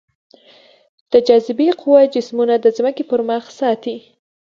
د جاذبې قوه جسمونه د ځمکې پر مخ ساتي.